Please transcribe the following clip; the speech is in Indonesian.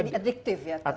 jadi adiktif ya